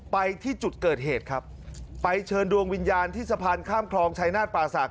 ไปที่จุดเกิดเหตุครับไปเชิญดวงวิญญาณที่สะพานข้ามคลองชายนาฏป่าศักด